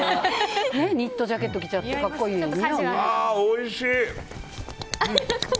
ニットジャケット着ちゃって格好いい。